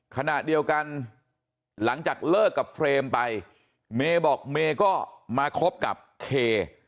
ขณะเดียวกันหลังจากเลิกกับเฟรมไปเมย์บอกเมย์ก็มาคบกับเค